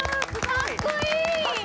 かっこいい。